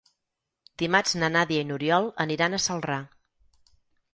Dimarts na Nàdia i n'Oriol aniran a Celrà.